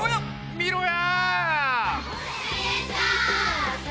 見ろや！